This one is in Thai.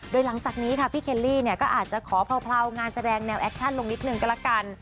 โดยหลังจากนี้ค่ะพี่เคลลี่เนี่ยก็อาจจะขอเผลางานแสดงแนวแอคชั่นลงนิดนึงก็ละกัน